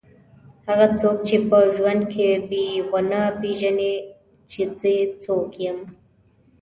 هغه څوک چې په ژوند کې به یې ونه پېژني چې زه څوک یم.